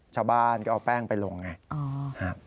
ชาวบ้านก็เอาแป้งไปลงไง